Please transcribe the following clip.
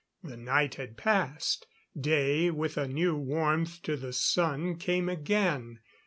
The night had passed; day, with a new warmth to the sun, came again.